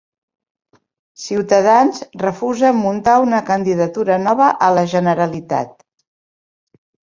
Ciutadans refusa muntar una candidatura nova a la Generalitat